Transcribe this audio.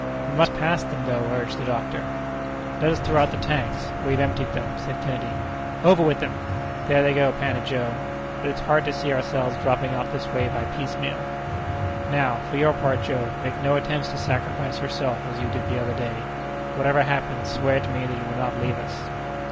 "We must pass them though!" urged the doctor. "Let us throw out the tanks—we have emptied them." said Kennedy. "Over with them!" "There they go!" panted Joe. "But it's hard to see ourselves dropping off this way by piecemeal." "Now, for your part, Joe, make no attempt to sacrifice yourself as you did the other day! Whatever happens, swear to me that you will not leave us!"